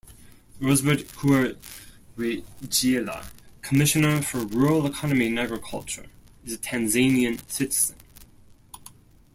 Rosebud Kurwijila, Commissioner for Rural Economy and Agriculture, is a Tanzanian citizen.